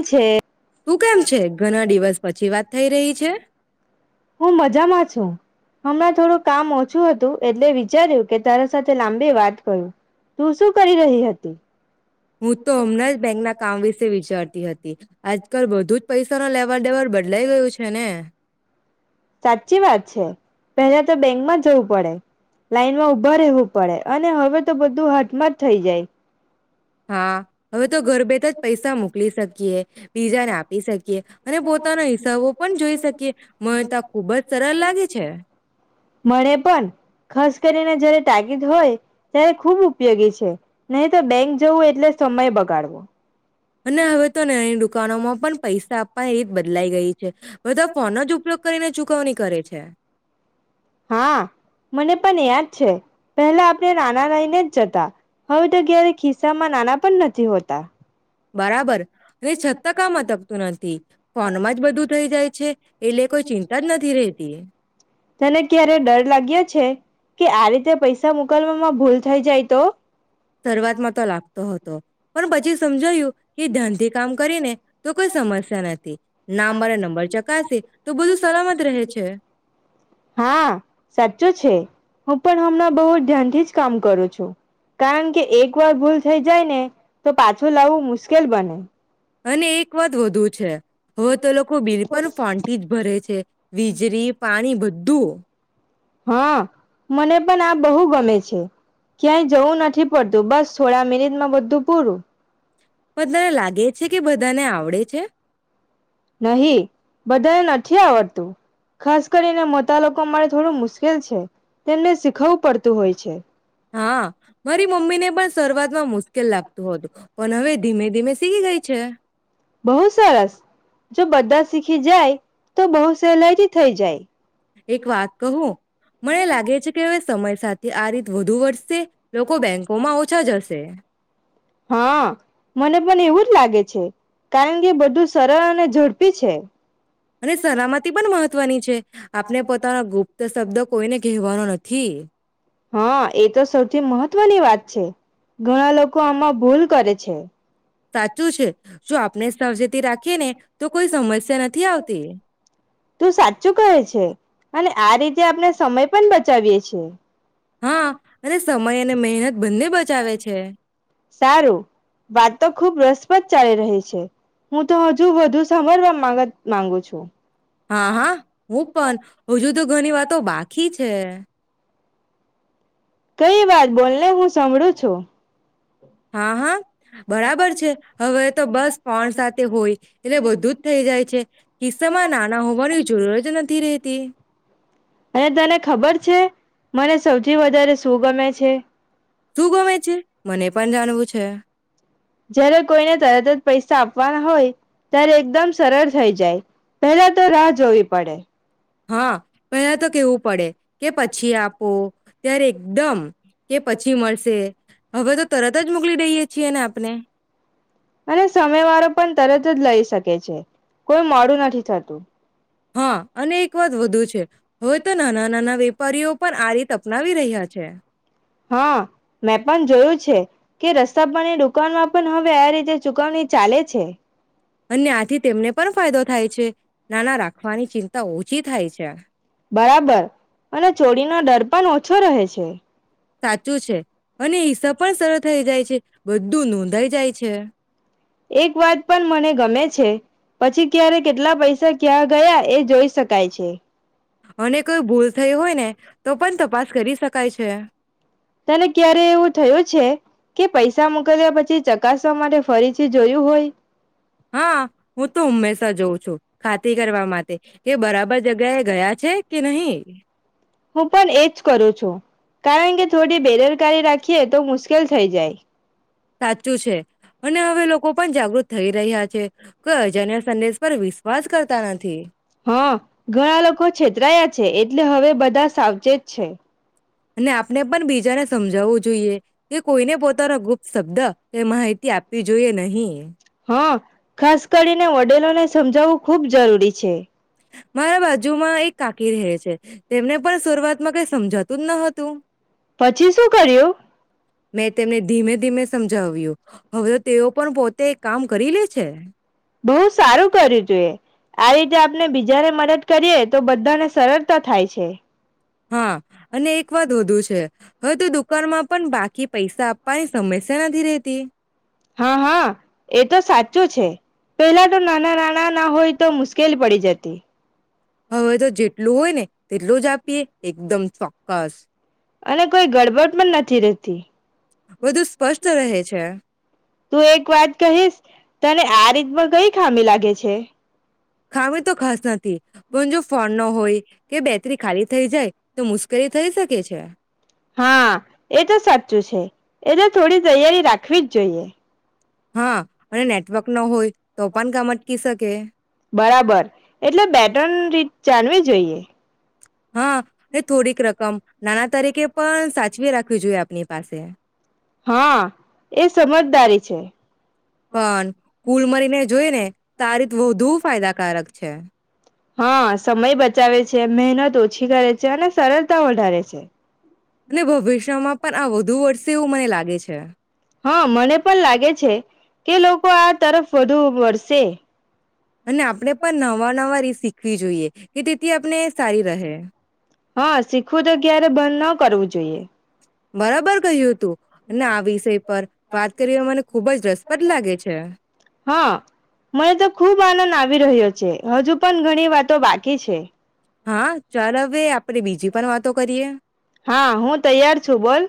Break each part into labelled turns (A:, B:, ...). A: છે
B: તું કેમ છે ઘણા દિવસ પછી વાત થઈ રહી છે.
A: હું મજામાં છું હમણાં થોડું કામ ઓછું હતું એટલે વિચાર્યું કે તારા સાથે લાંબી વાત કરું તું શું કરી રહી હતી.
B: હું તો હમણાં જ બેંકના કામ વિશે વિચારતી હતી. આજકાલ બધુ જ પૈસા ના લેવા દેવા બદલાઈ ગયું. છે ને.
A: સાચી વાત છે પહેલા તો બેંકમાં જવું પડે લાઈનમાં ઉભા રહેવું પડે અને હવે તો બધું હટમાંટ થઈ જાય.
B: હા હવે તો ઘર બેઠા જ પૈસા મોકલી શકીએ બીજાને આપી શકીએ અને પોતાના હિસાબો પણ જોઈ શકીએ મને તો ખુબ જ સરળ લાગે છે.
A: જ્યારે તાકીદ હોય ત્યારે ખુબ ઉપયોગી છે નહી તો બેંક જવું એટલે સમય બગાડવો.
B: અને હવે તો નાની દુકાનોમાં પણ પૈસા આપવા એ રીત બદલાઈ ગઈ. બધા ફોન જ ઉપયોગ કરીને ચુકવણી કરે છે.
A: હા મને પણ યાદ છે પહેલા આપણે નાના લઈને જ જતા હવે તો ક્યારે ખિસ્સામાં નાના પણ નથી હોતા.
B: બરાબર અને છતાં કમાં તકતું નથી. ફોનમાં જ બધું થઈ જાય છે એટલે કોઈ ચિંતા જ નથી.
A: તને ક્યારે ડર લાગ્યો છે કે આ રીતે પૈસા મોકલવામાં ભૂલ થઈ જાય તો.
B: સર્વાતમાં તો લાગતો હ પણ પછી સમજાયું એ ધ્યાનથી કામ કરીને તો કોઈ સમસ્યા નથી. ના મારે નંબર ચકાશે તો બધું સલામત રહે છે.
A: હા સાચું છે હું પણ હમણાં બહુ ધ્યાનથી જ કામ કરું છું કારણ કે એક વાર ભૂલ થઈ જાય ને તો પાછું લાવવું મુશ્કેલ બને.
B: અને એક વાત વધુ છે. હો તો લોકો બિલ પણ [unintelligible] જ ભરે છે. વીજળી પાણી બ. [unintelligible]
A: હા મને પણ આ બહુ ગમે છે ક્યાંય જવું નથી પડતું બસ થોડા મિનિટમાં બધું પૂરું.
B: પન તને ખરાબને લાગે છ. કે બધાને આવડે છે?
A: નહી બધાને નથી આવડતું ખાસ કરીને મોતા લોકો મારે થોડું મુશ્કેલ છે. તેમને શીખવું પડતું હોય છે.
B: હા મારી મમ્મીને પણ શરૂઆત માં મુશ્કેલ લાગ તો હતું પણ હવે ધીમે ધીમે સીકી ગઈ છે.
A: બહુ સરસ જો બધા શીખી જાય તો બહુ સહેલાઈથી થઈ જાય.
B: એક વાત કહું મને લાગે છે કે હવે સમય સાથે આ રીતે વધુ વડશે લોકો બેંકોમાં ઓછા જશે.
A: હા મને પણ એવું લાગે છે કારણ કે બધું સરળ અને ઝડપી છે.
B: અને સલામતી પણ મહત્વની છે. આપને પોતાનો ગુપ્ત શબ્દ કોઈને કહેવાનો ન થી.
A: હા એ તો સૌથી મહત્વની વાત છે ઘણા લોકો આમાં ભૂલ કરે છે.
B: સાચું છે જો આપણે સાવચેતી રાખીએ ને તો કોઈ સમસ્યા નથી આવતી.
A: તું સાચું કહે છે અને આ રીતે આપણે સમય પણ બચાવીએ છે.
B: હા અને સમય અને મહેનત બંને બચાવે છે.
A: સારું વાત તો ખુબ રસપ્રદ ચાલી રહી છે હું તો હજુ વધુ સમરવા માંગત માંગુ છું.
B: હા હા હું પણ હજુ તો ઘણી વાતો બાકી છે.
A: કઈ વાત બોલને હું સાભળું છું.
B: હા હા બરાબર છે હવે તો બસ કો ણ સાથે હોય એટલે બધું જ થઈ જાય છે કિસ્સામાં નાના હોવાની જરૂર જ નથી રહેતી
A: અને તને ખબર છે મને સૌથી વધારે શું ગમે છે?
B: શું ગમે છે? મને પણ જાણવું છે.
A: જયારે કોઈને તરત જ પૈસા આપવાના હોય ત્યારે એકદમ સરળ થઈ જાય પહેલા તો રાહ જોવી પડે.
B: હા પહેલા તો કેવું પડે કે પછી આપો ત્યારે એકદમ
A: અને સામો વાળો પણ તરત જ લઈ શકે છે. કોઈ મોડું નથી થતું.
B: હા અને એક વાત વધુ છે. હોય તો નાના નાના વેપારીઓ
A: હા મેં પણ જોયું. કે રસ્તા પરની દુકાનમાં પણ હવે આ રીતે ચુકવણી ચાલે છે.
B: અને આથી તેમને પણ ફાયદો થાય છે. ના ના રાખવાની છે. ચિંતા ઓછી થાય છે.
A: બરાબર અને ચોરીનો ડર પણ ઓછો રહે છે.
B: સાચું છે અને હિસાબ પણ સરળ થઇ જાય છે બધું નોંધાઈ જાય છે.
A: એક વાત પણ મને ગમે છે પછી ક્યારે કેટલા પૈસા ક્યાં ગયા એ જોઈ શકાય છે.
B: અને કોઈ ભૂલ થઈ હોય ને તો પણ તપાસ કરી શકાય છે. છે.
A: તને ક્યારે એવું થયું છે કે પૈસા મોકલ્યા પછી ચકાસવા માટે ફરીથી જોયું હોય.
B: હા હું તો હંમેશા જોઉં છું ખાતી કરવા માટે કે બરાબર જગ્યાએ ગયા છે કે નહી.
A: હું પણ એજ કરું છું કારણ કે થોડી બેદરકારી રાખીએ તો મુશ્કેલ થઈ જાય.
B: સાચું છે અને હવે લોકો પણ જાગૃત થઈ રહ્યા છે. કોઈ અજાણ્યા સંદેશ પર વિશ્વાસ કરતા નથી
A: હા ઘણા લોકો છેતરાયા છે. એટલે હવે બધા સાવચેત છે.
B: અને આપને પણ બીજાને સમજાવવું જોઈએ. તે કોઈને પોતાનો ગુપ્ત શબ્દ કે માહિતી આપવી જોઈએ નહી.
A: હા ખાસ કરીને વડેલોને સમજાવવું ખુબ જરૂરી છે.
B: હા. મારા બાજુમાં એક કાકી રહે છે તેમને પણ શરૂઆતમાં કઈ સમજાતું જ ન હતું
A: પછી શું કર્યું
B: મેં તેમને ધીમે ધીમે સમજાવ્યો. હવે તો તેઓ પણ પોતે કામ કરી લે છે. છે.
A: બહુ સારું કર્યું તુંએ, આ રીતે આપને બીજાને મદદ કરીએ તો બધાને સરળતા થાય છે.
B: હા અને એક વાત વધુ છે, હવે તો દુકાનમાં પણ બાકી પૈસા પાણી સમસ્યા નથી રતી.
A: હા, હા, એ તો સાચું છે, પેલા તો નાના નાના ના હોય, તો મુશ્કેલ પડી જતી.
B: હવે તો જેટલું હોય ને તેટલું જ આપીએ એકદમ ચોક્કસ.
A: અને કોઈ ગડબડ પણ નથી રેહતી.
B: વધુ સ્પષ્ટ રહે છે.
A: તું એક વાત કહીશ, તને આ રીતમાં કઈ ખામી લાગે છે?
B: ખામી તો ખાસ નથી, પણ જો ફોન ન હોય કે બેટરી ખાલી થઈ જાય, તો મુશ્કેલી થઈ શકે છે.
A: હા, એતો સાચું છે, એતો થોડી તૈયારી રાખવીજ જોઈએ.
B: હા અને નેટવર્ક ન હોય તો પણ કામ અટકી શકે
A: બરાબર એટલે બેટર્ન રીત જાણવી જોઈએ.
B: હા, એ થોડીક રકમ નાણા તરીકે પણ સાચવી રાખવી જોઈએ આપની પાસે
A: હાં, એ સમજદારી છે, [inaudible]
B: પણ કુલ મળીને જોઈ ને તો આ રીત વધુ ફાયદાકારક છે
A: હાં, સમય બચાવે છે, મહેનત ઓછી કરે છે અને સરળતા વધારે છે.
B: અને ભવિષ્યમાં પન આ વધુ વર્સે એવું મને લાગે છે.
A: હાં, મને પણ લાગે છે કે લોકો આ તરફ વધુ વરસે.
B: અને આપણે પણ નવા નવા રિસિક ખવી જોઈએ કે તેથી આપને સારી રહે.
A: હા, શીખવું તો ક્યારે બંધ ન કરવું જોઈએ.
B: બરાબર કહ્યું હતું અને આ વિષય પર વાત કરી ને મને ખુબ જ રસપ્રદ લાગે છે.
A: હા મને તો ખૂબ આનંદ આવી રહ્યો છે, હજુ પણ ઘણી વાતો બાકી છે.
B: હા, ચાલ અવે આપણેે બીજી પણ વાતો કરીએ.
A: હા, હું તૈયાર છું બોલ.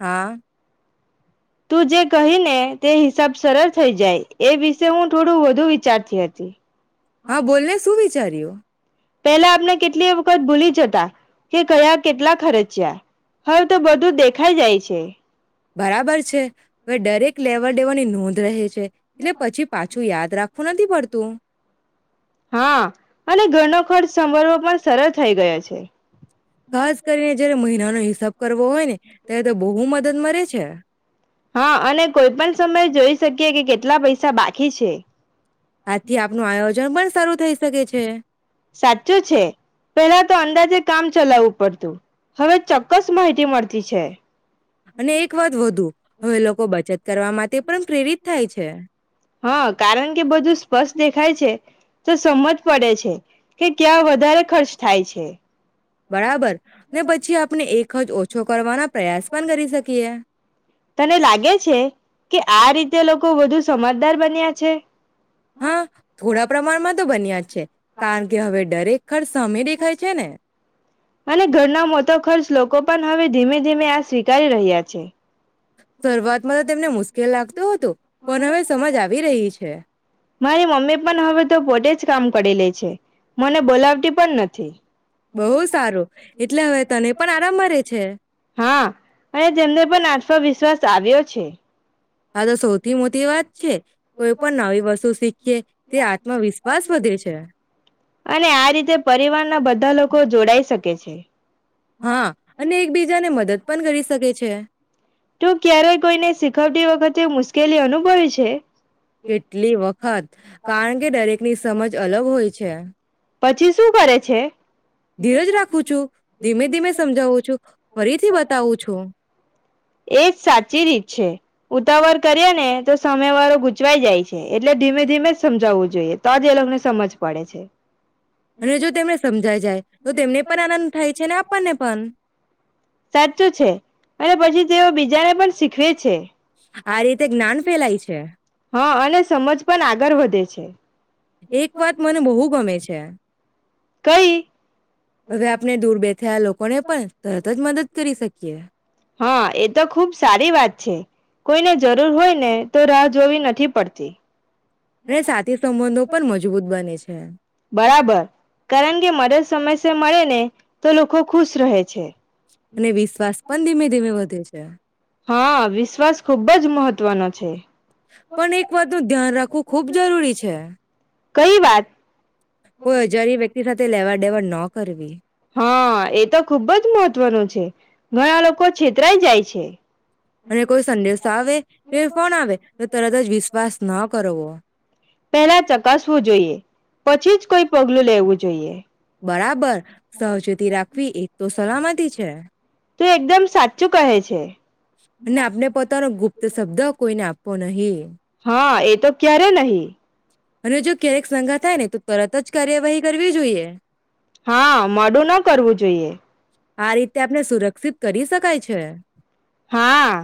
B: હા.
A: તું જે કહી ને તે હિસાબ સરલ થઈ જાય, એ વિશે હું થોડું વધુ વિચારતી હતી.
B: હા બોલને શું વિચાર્યું?
A: પેલા આપને કેટલી વખત ભૂલી જતા કે કયા કેટલા ખર્ચ્યા, હવે તો બધું દેખાઈ જાય છે.
B: બરાબર છે, વે ડરેક લેવર દેવડની નોંધ રહે છે. એટલે પછી પાછું યાદ રાખવુ નથી પડતું.
A: હા અને ઘરનો ખર્ચ સંભાળવો પણ સરળ થઇ ગયો છે.
B: ખાસ કરીને જયારે મહિનાનો હિસ સાબ કરવો હોય ને, ત્યારે તો બહુ મદદ મળે છે.
A: હા અને કોઈ પણ સમયે જોઈ શકીએ કે કેટલા પૈસા બાકી છે.
B: આજથી આપનું આયોજન પણ શરૂુ થઈ શકે છે.
A: સાચુ છે, પેલા તો અંદાજે કામ ચલાવવું પડતું, હવે ચોક્કસ માહિતી મળતી છે.
B: અને એક વાત વધુ હવે લોકો બચત કરવા માટે પણ પ્રેરિત થાય છે
A: હા, કારણ કે બધું સ્પષ્ટ દે ખાય છે, તો સમજ પડે છે કે ક્યાં વધારે ખર્ચ થાય છે.
B: બરાબર ને પછી આપને એક જ ઓછ છો કરવાના પ પ્રયાસ પન કરી શકીએ.
A: તને લાગે છે કે આ રીતે લોકો વધુ સમજદાર બન્યા છે.
B: હા થોડા પ્રમાણમાં તો બન્યા જ છે કારણ કે હવે દરેક ખર્ચ સામે દેખાય છે ને.
A: અને ઘરના મોટો ખર્ચ લોકો પણ હવે ધીમે ધીમે આ સ્વીકારી રહ્યા છે.
B: શરૂઆતમાં તો તેમને મુશ્કેલ લાગતું હતું પણ હવે સમજ આવી રહી છે.
A: મારી મમ્મી પણ હવે તો પોતે જ કામ કરી લે છે મને બોલાવતી પણ નથી.
B: બહું સારું એટલે હવે તને પણ આરામ મારે છે.
A: તો વિશ્વાસ આવ્યો છે.
B: હા તો સૌથી મોટી વાત છે કોઈ પણ નવી વસ્તુ શીખ. કે તે આત્મવિશ્વાસ વધે છે.
A: અને આ રીતે પરિવારના બધા લોકો જોડાઈ શકે છે.
B: હા અને એકબીજાને મદદ. પણ કરી શકે છે.
A: તું ક્યારેય કોઈને શીખવતી વખતે મુશ્કેલી અનુભવે છે.
B: કેટલી વખત. કારણ કે દરેકની સમજ અલગ હોય છે. [inaudible]
A: પછી શું કરે છે.
B: ધીરજ રાખું છું ધીમે ધીમે સમજાવું છું ફરીથી બતાવું છું.
A: એ જ સાચી રીત છે ઉતાવળ કરીએ ને તો સામે વાળો ગૂચવાઈ જાય છે એટલે ધીમે ધીમે જ સમજાવવું જોઈએ તો જ એ લોકોને સમજ પડે છે.
B: અને જો તેમને સમજાઈ જાય તો તેમને પણ આનંદ થાય છે ને આપણને પણ.
A: સાચું છે અને પછી તેઓ બીજાને પણ શીખવે છે.
B: આ રીતે જ્ઞાન ફેલાય છે.
A: હા, અને સમજ પણ આગળ વધે છે.
B: એક વાત મને બહુ ગમે છે
A: કઈ?
B: હવે આપણે દૂર બેઠેલા લોકોને પણ તરત જ મદદ કરી શકીએ.
A: હા, એ તો ખુબ સારી વાત છે. કોઈને જરૂર હોય ને તો રાહ જોવી નથી પડતી.
B: અને સાથી સંબંધો પણ મજબૂત બને છે. હ.
A: બરાબર કારણ કે મદદ સમયસર મળે ને તો લોકો ખુશ રહે છે.
B: અને વિશ્વાસ પણ ધીમે ધીમે વધે છે.
A: હા વિશ્વાસ ખુબ જ મહ તવ્ ના છે.
B: પણ એક વાતનું ધ્યાન રાખવું ખુબ જરૂરી છે.
A: કઈ વાત?
B: હો, જય્યારે વ્યક્તિ સાથે લેવા દેવાડ ન કરવી.
A: હા, એ તો ખુબ જ મહત્વનું છે. ઘણા લોકો છેતરાય જાય છે.
B: અને કોઈ સંદેશ આવે કે, ફોન આવે તો તરત જ વિશ્વાસ, ના કરવો.
A: પેલા ચકાસવું જોઈએ. પછી જ કોઈ પગલું લેવું જોઈએ.
B: બરાબર સાવચેતી રાખવી એજ તો સલામતી છે.
A: તું એકદમ સાચું કહે છે.
B: અને આપને પોતાનો ગુપ્ત શબ્દ કોઈને આપવો નહીં.
A: હા એ તો ક્યારે નહીં?
B: અને જો ક્યારેક સંગાત થાયને ત તરત જ કાર્યવાહી, કરવી જોઈએ
A: [inaudible] હા, મોડું ન કરવું જોઈએ.
B: આ રીતે [inaudible] કરી શકાય છે. [inaudible]
A: હા